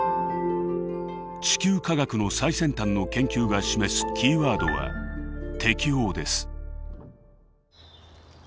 地球科学の最先端の研究が示すキーワードは「適応」です。